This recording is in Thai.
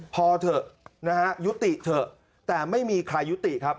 พอเถอะนะฮะยุติเถอะแต่ไม่มีใครยุติครับ